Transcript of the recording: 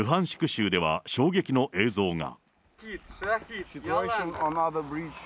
州では衝撃の映像が。